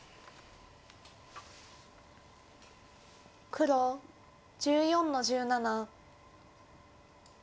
黒１４の十七。